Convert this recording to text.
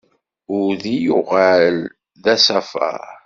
Udi yuɣal d asafar.